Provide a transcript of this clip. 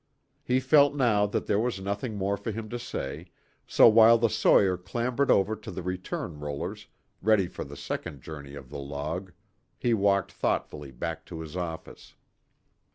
He felt now that there was nothing more for him to say, so while the sawyer clambered over to the return rollers, ready for the second journey of the log, he walked thoughtfully back to his office.